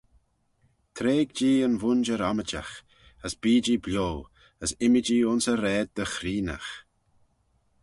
Treig-jee yn vooinjer ommijagh, as bee-jee bio: as immee-jee ayns y raad dy chreenaght.